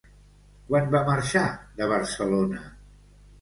Quan va marxar de Barcelona?